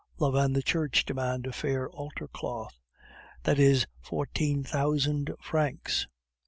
Love and the Church demand a fair altar cloth. That is fourteen thousand francs.